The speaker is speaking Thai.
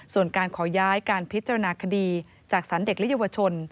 ส่วนการขอย้ายการพิจารณาคดีจากสารเด็กและเยาวชน